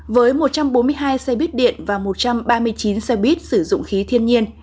với một trăm bốn mươi hai xe buýt điện và một trăm ba mươi chín xe buýt sử dụng khí thiên nhiên